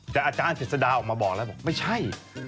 แต่อาจารย์เจษฎาออกมาบอกแล้วบอกไม่ใช่